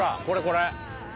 これこれ。